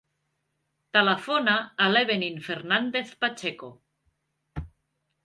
Telefona a l'Evelyn Fernandez Pacheco.